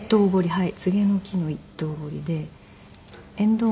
はい。